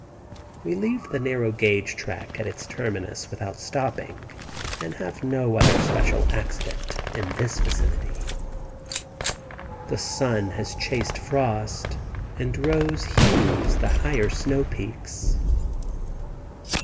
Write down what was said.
We leave the narrow gauge track at its terminus without stopping, and have no other special accident in this vicinity. The sun has chased frost and rose hues the higher snow peaks.